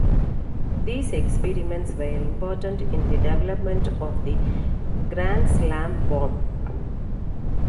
These experiments were important in the development of the Grand Slam bomb.